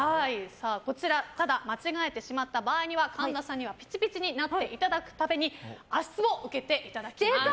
間違えてしまった場合には神田さんにはピチピチになっていただくために足ツボを受けていただきます。